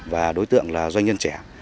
và đối tượng doanh nhân trẻ